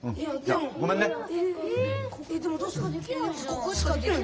ここしかできない。